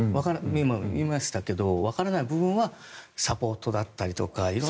今、言いましたがわからない部分はサポートだったりとか色々。